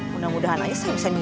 mudah mudahan aja saya bisa nyucil